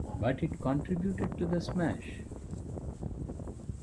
But it contributed to the smash.